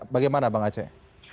bagaimana bang aceh